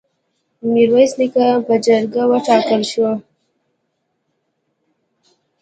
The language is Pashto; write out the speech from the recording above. میرویس نیکه په جرګه وټاکل شو.